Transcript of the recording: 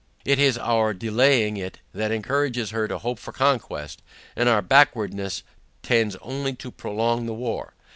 It is our delaying it that encourages her to hope for conquest, and our backwardness tends only to prolong the war.